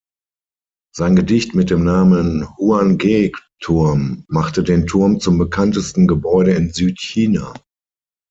Sein Gedicht mit dem Namen „Huanghe-Turm“ machte den Turm zum bekanntesten Gebäude in Südchina.